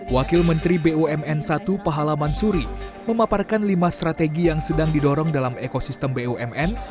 wakil menteri bumn i pak halaman suri memaparkan lima strategi yang sedang didorong dalam ekosistem bumn